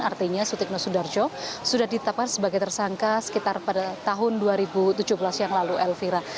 artinya sutikno sudarjo sudah ditetapkan sebagai tersangka sekitar pada tahun dua ribu tujuh belas yang lalu elvira